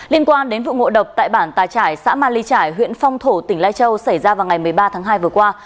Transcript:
liên quan đến vụ ngộ độc tại bản tà trải xã ma ly trải huyện phong thổ tỉnh lai châu xảy ra vào ngày một mươi ba tháng hai vừa qua